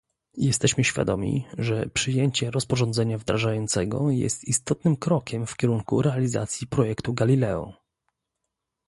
Jesteśmy świadomi, że przyjęcie rozporządzenia wdrażającego jest istotnym krokiem w kierunku realizacji projektu Galileo